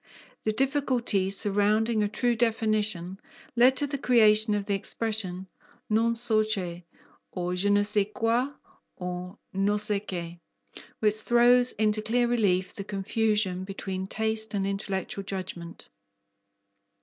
The difficulties surrounding a true definition led to the creation of the expression non so che, or je ne sais quoi, or no se qué, which throws into clear relief the confusion between taste and intellectual judgment.